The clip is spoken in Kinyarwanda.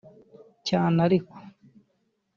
cyane ariko